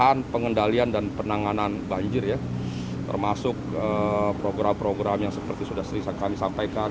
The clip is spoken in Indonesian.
pencegahan pengendalian dan penanganan banjir ya termasuk program program yang seperti sudah sering kami sampaikan